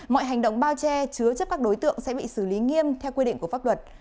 mọi hành động bao che chứa chấp các đối tượng sẽ bị xử lý nghiêm theo quy định của pháp luật